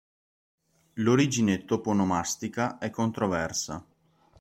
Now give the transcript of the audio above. L'origine toponomastica è controversa.